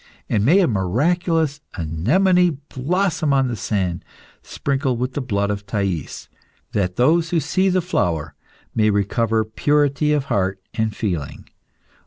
And may a miraculous anemone blossom on the sand sprinkled with the blood of Thais, that those who see the flower may recover purity of heart and feeling.